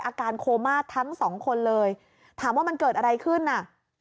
อาการโคม่าทั้งสองคนเลยถามว่ามันเกิดอะไรขึ้นน่ะ